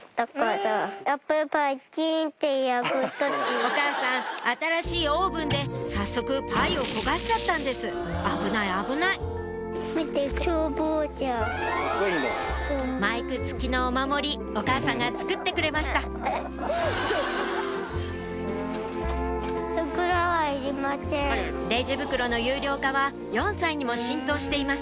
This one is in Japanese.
お母さん新しいオーブンで早速パイを焦がしちゃったんです危ない危ないマイク付きのお守りお母さんが作ってくれましたレジ袋の有料化は４歳にも浸透しています